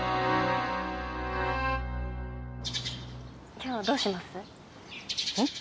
今日どうします？ん？